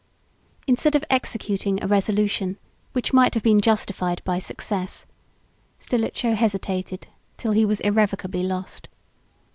Instead of executing a resolution, which might have been justified by success, Stilicho hesitated till he was irrecoverably lost.